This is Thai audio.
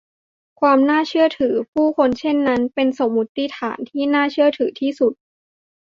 มันน่าเชื่อถือผู้คนเช่นนั้น เป็นสมมติฐานที่น่าเชื่อที่สุด